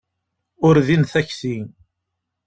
Ur din takti.